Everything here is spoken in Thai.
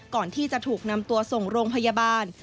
ก่อนที่จะถูกนำตัวส่งโรงพยาบาล